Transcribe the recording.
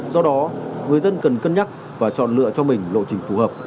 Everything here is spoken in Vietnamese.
do đó người dân cần cân nhắc và chọn lựa cho mình lộ trình phù hợp